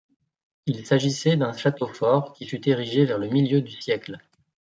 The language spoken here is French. Il s'agissait d'un château fort qui fut érigé vers le milieu du siècle.